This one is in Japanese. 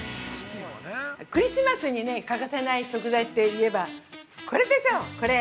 ◆クリスマスに欠かせない食材って言えば、これでしょう、これ！